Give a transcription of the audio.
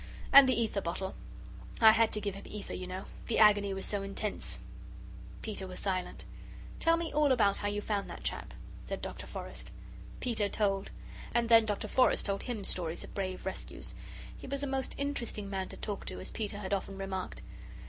And the ether bottle. I had to give him ether, you know the agony was so intense." Peter was silent. "Tell me all about how you found that chap," said Dr. Forrest. Peter told. And then Dr. Forrest told him stories of brave rescues; he was a most interesting man to talk to, as Peter had often remarked.